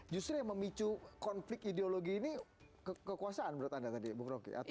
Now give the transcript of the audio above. justru yang memicu konflik ideologi ini kekuasaan menurut anda tadi bung roky